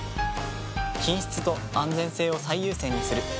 品質と安全性を最優先にする。